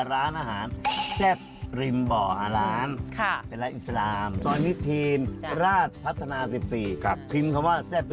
ขอภากเรานิดนึงค่ะ